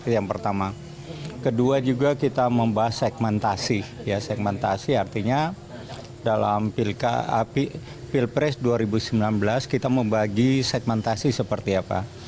yang pertama kedua juga kita membahas segmentasi ya segmentasi artinya dalam pilpres dua ribu sembilan belas kita membagi segmentasi seperti apa